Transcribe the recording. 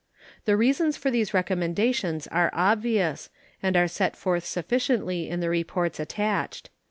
The reasons for these recommendations are obvious, and are set forth sufficiently in the reports attached.